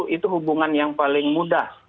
itu hubungan yang paling mudah